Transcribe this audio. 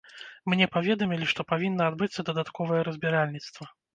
Мне паведамілі, што павінна адбыцца дадатковае разбіральніцтва.